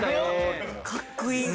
かっこいい！